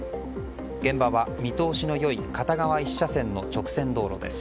現場は見通しの良い片側１車線の直線道路です。